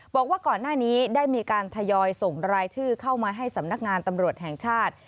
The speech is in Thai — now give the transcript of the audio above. บอกว่าก่อนหน้านี้ได้มีการทยอยส่งรายชื่อเข้ามาให้สำนักงานตำรวจแห่งชาติ